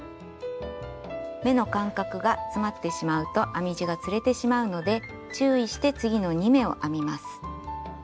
目の間隔が詰まってしまうと編み地がつれてしまうので注意して次の２目を編みます。